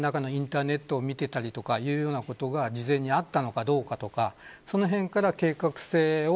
何らかのインターネットを見ていたりとかいうようなことが事前にあったのかどうかとかその辺から計画性を